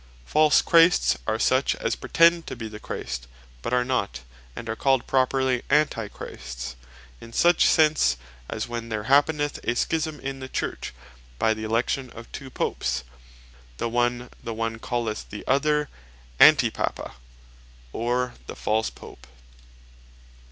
False Christs, are such as pretend to be the Christ, but are not, and are called properly Antichrists, in such sense, as when there happeneth a Schisme in the Church by the election of two Popes, the one calleth the other Antipapa, or the false Pope.